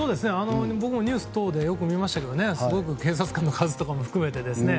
僕もニュース等でよく見ましたけどすごく警察官の数とかを含めて。